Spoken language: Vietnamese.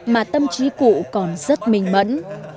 mà tâm trí cụ còn rất minh mẫn